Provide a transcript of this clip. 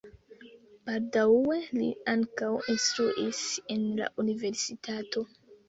Baldaŭe li ankaŭ instruis en la universitato.